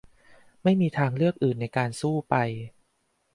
ไม่มีทางเลือกอื่นในการสู้ไป